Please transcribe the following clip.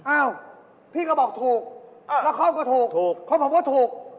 อ้าวพี่ก็บอกถูกละครก็ถูกความผิวว่าถูก